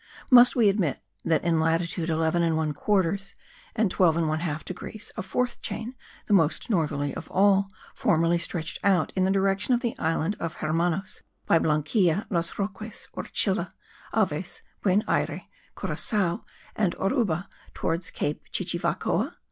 Must we admit that in latitude 11 1/4 and 12 1/2 degrees a fourth chain, the most northerly of all, formerly stretched out in the direction of the island of Hermanos, by Blanquilla, Los Roques, Orchila, Aves, Buen Ayre, Curacao and Oruba, towards Cape Chichivacoa?